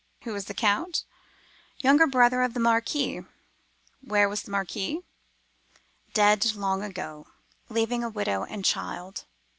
Who was the Count? Younger brother of the Marquis. Where was the Marquis? Dead long ago, leaving a widow and child.